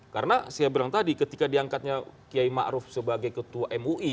karena saya bilang tadi ketika diangkatnya kiai ma'ruf sebagai ketua mui